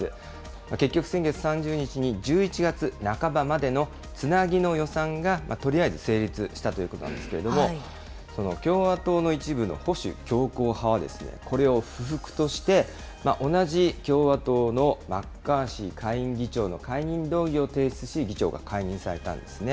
結局、先月３０日に、１１月半ばまでのつなぎの予算がとりあえず成立したということなんですけれども、共和党の一部の保守強硬派は、これを不服として、同じ共和党のマッカーシー下院議長の解任動議を提出し、議長が解任されたんですね。